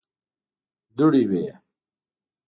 دوړې وې.